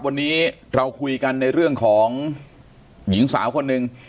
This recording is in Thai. วันนี้เราคุยกันในเรื่องของหญิงสาวคนหนึ่ง